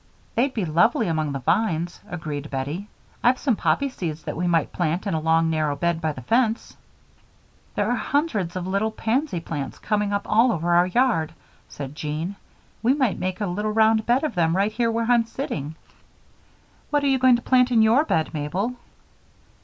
"They'd be lovely among the vines," agreed Bettie. "I've some poppy seeds that we might plant in a long narrow bed by the fence." "There are hundreds of little pansy plants coming up all over our yard," said Jean. "We might make a little round bed of them right here where I'm sitting. What are you going to plant in your bed, Mabel?"